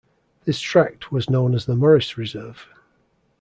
This tract was known as the Morris Reserve.